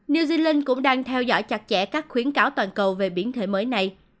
new zealand cũng đang theo dõi chặt chẽ các khuyến cáo toàn cầu về biến thể mới này